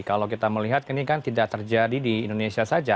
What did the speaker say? kalau kita melihat ini kan tidak terjadi di indonesia saja